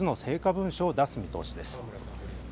文書を出す見通しです。